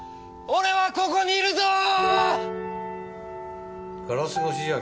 俺はここにいるぞー！